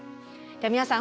皆さん